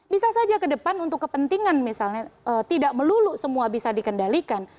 bisa saja ke depan untuk kepentingan misalnya tidak melulu semua bisa dikendalikan